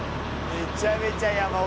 めちゃめちゃ山奥。